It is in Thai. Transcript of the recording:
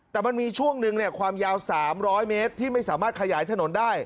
แต่มันมีช่วงหนึ่งความยาว๓๐๐เมตรที่ไม่สามารถขยายถนนได้